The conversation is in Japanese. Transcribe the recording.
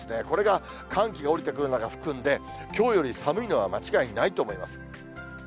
これが寒気が下りてくるのが吹くんで、きょうより寒いのは間違いないと思います。